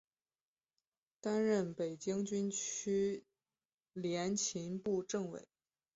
担任北京军区联勤部政委。